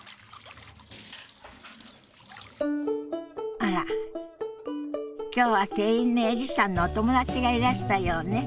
あら今日は店員のエリさんのお友達がいらしたようね。